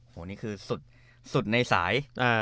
โอ้โหนี่คือสุดในสาย